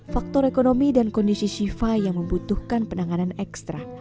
faktor ekonomi dan kondisi shiva yang membutuhkan penanganan ekstra